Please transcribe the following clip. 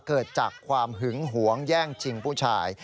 เกิดจากความหึงหวงแย่งชิงผู้ชาย